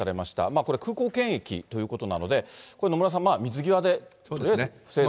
これ、空港検疫ということなので、これ、野村さん、水際でとりあえず防いだ。